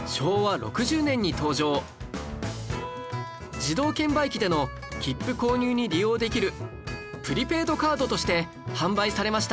自動券売機での切符購入に利用できるプリペイドカードとして販売されました